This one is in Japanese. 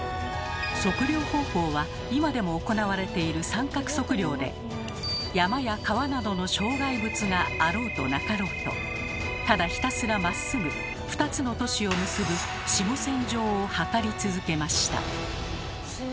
測量方法は今でも行われている三角測量で山や川などの障害物があろうとなかろうとただひたすらまっすぐ２つの都市を結ぶ子午線上を測り続けました。